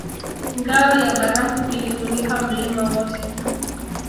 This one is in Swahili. Ngao ya barafu ilifunika mlima wote